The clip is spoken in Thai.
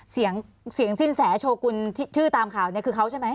เสียงที่มาเสียงสิ้นแสจะโชคคุณชื่อตามข่าวนี้คือเขาใช่ไหม